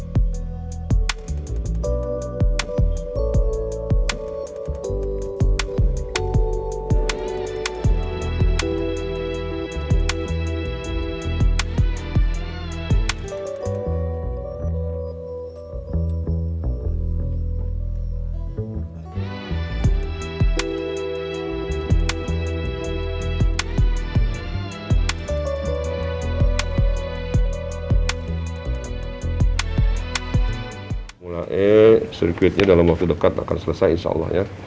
permula e circuitnya dalam waktu dekat akan selesai insya allah ya